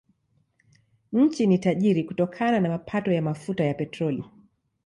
Nchi ni tajiri kutokana na mapato ya mafuta ya petroli.